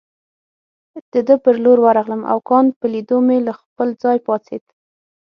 د ده پر لور ورغلم او کانت په لیدو مې له خپل ځای پاڅېد.